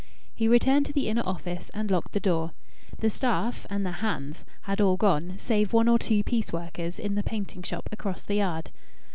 He returned to the inner office, and locked the door. The "staff" and the "hands" had all gone, save one or two piece workers in the painting shop across the yard.